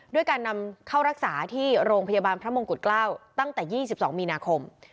ด้วยการนำเข้ารักษาที่โรงพยาบาลพระมงกุฎเกล้าตั้งแต่๒๒มีนาคม